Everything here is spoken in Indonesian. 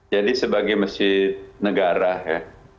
jadi sebagai masjid negara ya